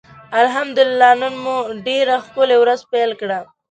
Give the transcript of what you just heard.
الحمدالله نن مو ډيره ښکلي ورځ پېل کړه.